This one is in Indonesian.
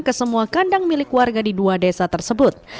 ke semua kandang milik warga di dua desa tersebut